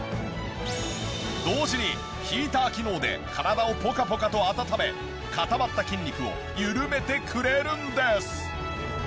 同時にヒーター機能で体をポカポカと温め固まった筋肉を緩めてくれるんです！